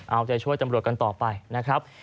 เอาใจช่วยตำรวจกันต่อไปนะครับ